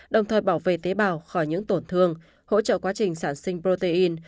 đồng thời bảo vệ tế bào khỏi những tổn thương hỗ trợ quá trình sản sinh protein